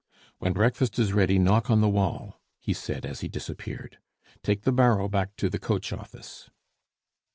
"When breakfast is ready, knock on the wall," he said as he disappeared. "Take the barrow back to the coach office."